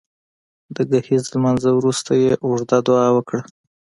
د ګهیځ لمانځه وروسته يې اوږده دعا وکړه